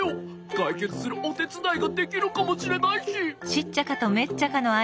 かいけつするおてつだいができるかもしれないし。